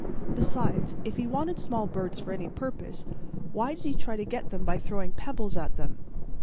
Besides, if he wanted small birds for any purpose, why did he try to get them by throwing pebbles at them?